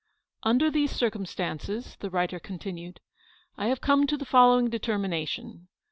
"Under these circumstances/' the writer con tinued, "I have come to the following determi nation.